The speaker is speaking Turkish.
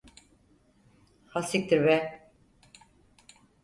Ha siktir be!